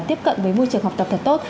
tiếp cận với môi trường học tập thật tốt